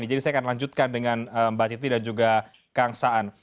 jadi saya akan lanjutkan dengan mbak titi dan juga kang saan